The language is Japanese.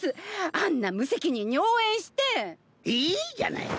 あんな無責任に応援していいじゃないか！